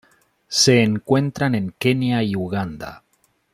Se encuentran en Kenia y Uganda.